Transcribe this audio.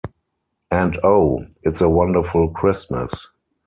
And oh, it’s a wonderful Christmas.